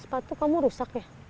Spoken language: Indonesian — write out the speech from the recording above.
sepatu kamu rusak ya